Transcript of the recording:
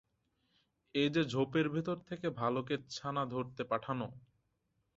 এ যে ঝোপের ভিতর থেকে ভালুকের ছানা ধরতে পাঠানো!